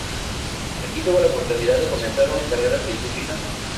Aquí tuvo la oportunidad de comenzar una carrera científica.